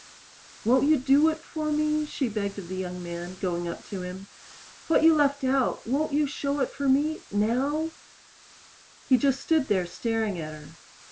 "Won't you do it for me?" she begged of the young man, going up to him. "What you left out won't you show it for me now?" He just stood there staring at her.